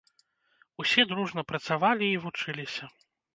Усе дружна працавалі і вучыліся.